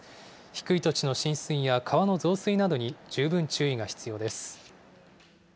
低い土地の浸水や川の増水などに十分注意が必要です。